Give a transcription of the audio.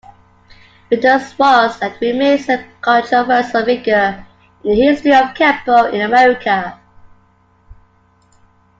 Mitose was and remains a controversial figure in the history of Kenpo in America.